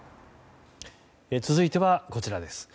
続いてはこちらです。